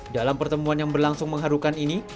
dalam pertemuan yang berlangsung mengharukan ini